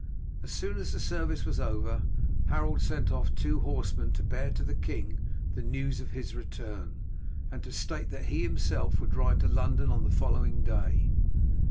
As soon as the service was over Harold sent off two horsemen to bear to the king the news of his return, and to state that he himself would ride to London on the following day.